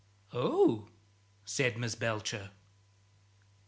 "Oh!" said Miss Belcher.